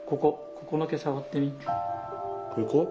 ここ？